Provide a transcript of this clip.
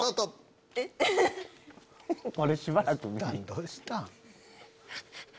どうしたん？